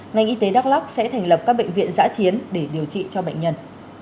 ngành y tế đắk lắc sẽ thành lập các bệnh viện giã chiến để điều trị cho bệnh nhân